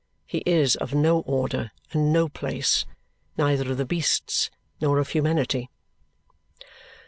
He is of no order and no place, neither of the beasts nor of humanity.